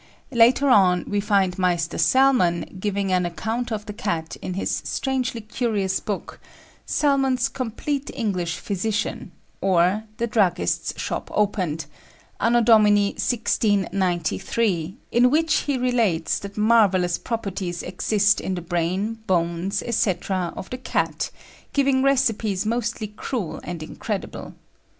Later on we find Maister Salmon giving an account of the cat in his strangely curious book, "Salmon's Compleat English Physician; or, the Druggist's Shop Opened," A.D. 1693, in which he relates that marvellous properties exist in the brain, bones, etc., of the cat, giving recipes mostly cruel and incredible.